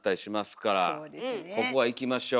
ここはいきましょ。